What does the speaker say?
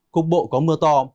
cục bộ có mưa to